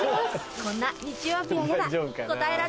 こんな日曜日はイヤだ答えられるかな？